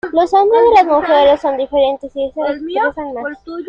Los hombres de las mujeres son diferentes y se expresan más excitantes y eróticos.